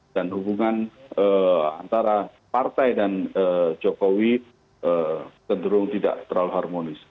dan hubungan antara partai dan jokowi cenderung tidak terlalu harmonis